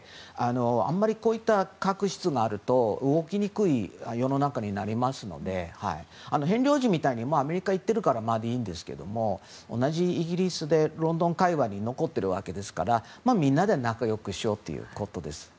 あまりこういった確執があると動きにくい世の中になりますのでヘンリー王子みたいにもうアメリカに行っているならいいんですが同じイギリスでロンドン界隈に残っているわけですからみんなで仲良くしようということです。